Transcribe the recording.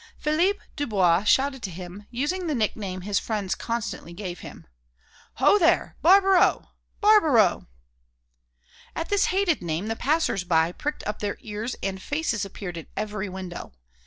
Philippe Dubois shouted to him, using the nickname his friends constantly gave him: "Ho there! Barbaroux!... Barbaroux!" At this hated name the passers by pricked up their ears and faces appeared at every window.